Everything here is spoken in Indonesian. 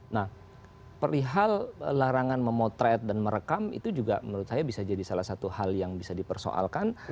nah perihal larangan memotret dan merekam itu juga menurut saya bisa jadi salah satu hal yang bisa dipersoalkan